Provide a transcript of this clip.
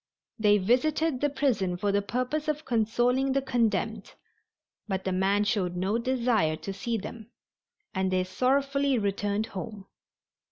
They visited the prison for the purpose of consoling the condemned but the man showed no desire to see them, and they sorrowfully returned home.